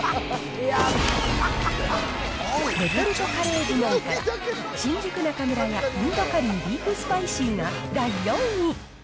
レトルトカレー部門から、新宿中村屋インドカリービーフスパイシーが第４位。